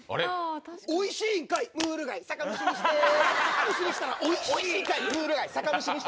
おいしいんかいムール貝酒蒸し。